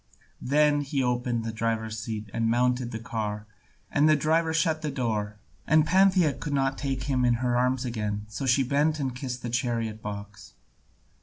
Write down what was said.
Then he opened the driver's seat and mounted the car, and the driver shut the door, and Pantheia could not take him in her arms again, so she bent and kissed the chariot box.